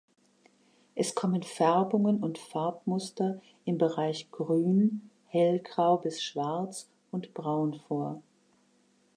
Es kommen Färbungen und Farbmuster im Bereich grün, hellgrau bis schwarz und braun vor.